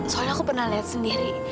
soalnya aku pernah lihat sendiri